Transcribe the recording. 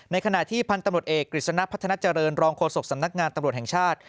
ขณะที่พันธุ์ตำรวจเอกกฤษณะพัฒนาเจริญรองโฆษกสำนักงานตำรวจแห่งชาติ